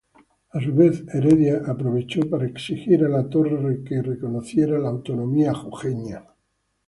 A su vez, Heredia aprovechó exigió a Latorre reconocer la autonomía jujeña.